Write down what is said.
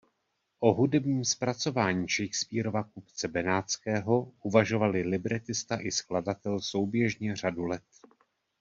O hudebním zpracování Shakespearova "Kupce benátského" uvažovali libretista i skladatel souběžně řadu let.